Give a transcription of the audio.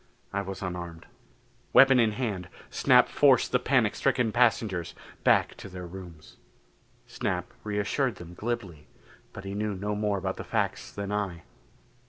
I was unarmed. Weapon in hand, Snap forced the panic stricken passengers back to their rooms. Snap reassured them glibly; but he knew no more about the facts than I.